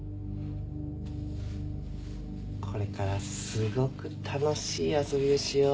これからすごく楽しい遊びをしよう。